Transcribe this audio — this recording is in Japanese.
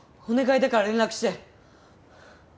お願いだから連絡して。